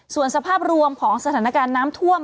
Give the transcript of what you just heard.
ส่วนสภาพรวมของสถานการณ์น้ำท่วม